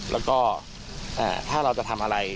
แล้วก็ถ้าเราจะทำอะไร